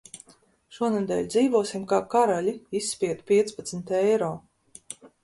Šonedēļ dzīvosim kā karaļi, izspiedu piecpadsmit eiro.